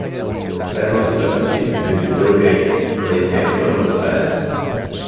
Several celebrities, including Bill Gates, maintain homes there.